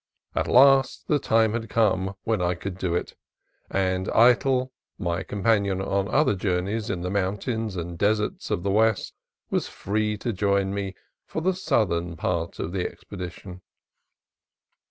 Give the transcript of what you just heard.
At last the time had come when I could do it ; and 2 CALIFORNIA COAST TRAILS Eytel, my companion on other journeys in the moun tains and deserts of the West, was free to join me for the southern part of the expedition.